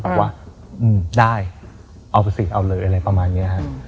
บอกว่าได้เอาไปสิเอาเลยอะไรประมาณนี้ฮะ